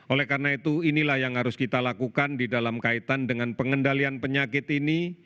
oleh karena itu inilah yang harus kita lakukan di dalam kaitan dengan pengendalian penyakit ini